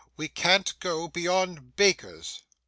We can't go beyond bakers.